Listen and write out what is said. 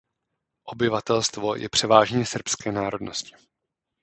Obyvatelstvo je převážně srbské národnosti.